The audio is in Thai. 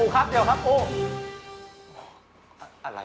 จัดเต็มให้เลย